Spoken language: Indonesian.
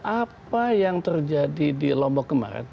apa yang terjadi di lombok kemarin